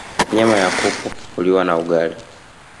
nyama ya kuku huliwa na na ugali